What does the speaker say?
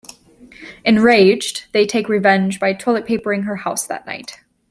Enraged, they take revenge by toilet papering her house that night.